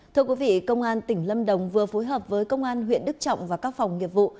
thưa quý vị công an tỉnh lâm đồng vừa phối hợp với công an huyện đức trọng và các phòng nghiệp vụ